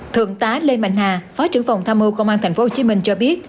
thượng tá lê mạnh hà phó trưởng phòng tham mưu công an tp hcm cho biết